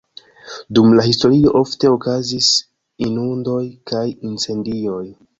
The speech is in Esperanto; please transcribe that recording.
Dum la historio ofte okazis inundoj kaj incendioj.